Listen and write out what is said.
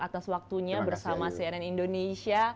atas waktunya bersama cnn indonesia